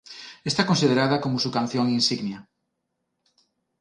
Esta considerada como su canción insignia.